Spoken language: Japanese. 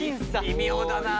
微妙だな。